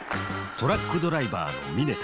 トラックドライバーの峯田。